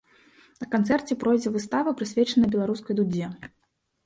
На канцэрце пройдзе выстава, прысвечаная беларускай дудзе.